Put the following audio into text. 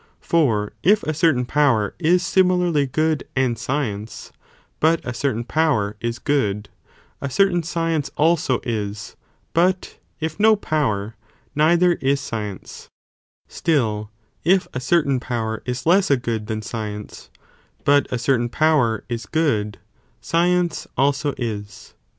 For if a certain power is similarly good, and science, but a certain power is good, a certain science also is, but if no power, neither is science ; still, if a certain power is less a good than science, but a certain power is good, science also is.